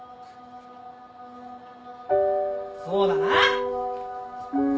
そうだな！